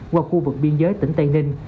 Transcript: qua khu vực biên giới tỉnh tây ninh